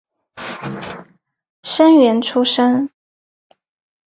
生员出身。